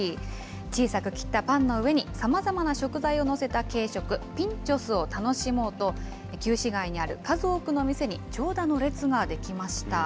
小さく切ったパンの上にさまざまな食材を載せた軽食、ピンチョスを楽しもうと、旧市街にある数多くの店に長蛇の列が出来ました。